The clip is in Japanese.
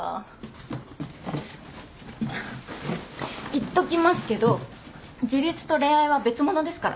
言っときますけど自立と恋愛は別物ですからね。